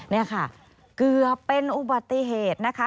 นี่ค่ะเกือบเป็นอุบัติเหตุนะคะ